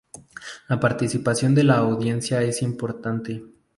La participación de la audiencia es importante.